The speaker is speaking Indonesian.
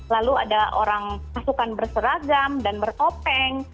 lalu ada orang pasukan berseragam dan beropeng